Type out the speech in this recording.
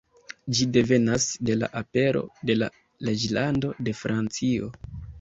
Ĝi devenas de la apero de la reĝlando de Francio.